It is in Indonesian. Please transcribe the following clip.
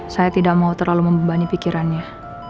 saya tidak mau terlalu membebani pikirannya